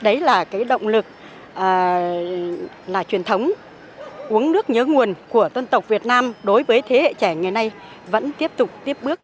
đấy là cái động lực là truyền thống uống nước nhớ nguồn của dân tộc việt nam đối với thế hệ trẻ ngày nay vẫn tiếp tục tiếp bước